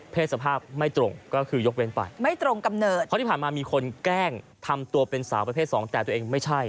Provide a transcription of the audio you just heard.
อยู่กับตัวเป็นสาวประเภทสองแต่ตัวเองไม่ใช่